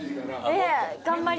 ええ。